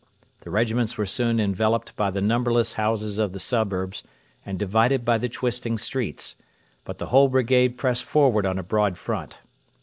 The regiments were soon enveloped by the numberless houses of the suburbs and divided by the twisting streets; but the whole brigade pressed forward on a broad front.